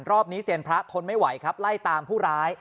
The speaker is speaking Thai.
รอบนี้เซียนพระทนไม่ไหวครับไล่ตามผู้ร้าย